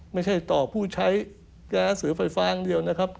ไม่ใช่ต่อผู้ใช้แก๊สเสือไฟฟ้าอย่างเดียวนะครับ